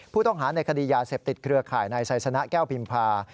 ผู้ต้องหาในคดียาเสพติดเครือข่ายนายไซสนะแก้วพิมพา